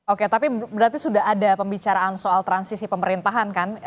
oke tapi berarti sudah ada pembicaraan soal transisi pemerintahan kan